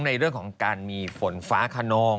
ในเรื่องของการมีฝนฟ้าขนอง